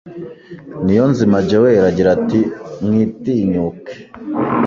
Niyonzima Joel agira ati mwitinyuke